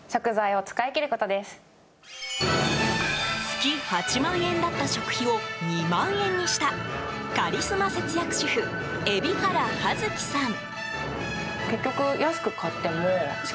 月８万円だった食費を２万円にしたカリスマ節約主婦海老原葉月さん。